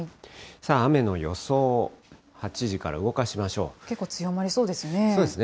雨の予想を８時から動かしましょ結構強まりそうですね。